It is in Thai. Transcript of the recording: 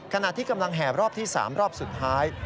ขณะที่กำลังแห่รอบที่๓รอบสุดท้าย